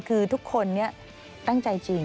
คือทุกคนนี้ตั้งใจจริง